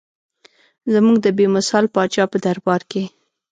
زموږ د بې مثال پاچا په دربار کې.